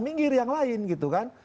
minggir yang lain gitu kan